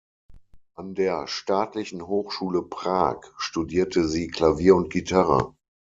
An der Staatlichen Hochschule Prag studierte sie Klavier und Gitarre.